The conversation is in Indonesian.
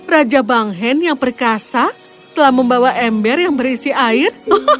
raja bang hen yang perkasa telah membawa ember yang berisi air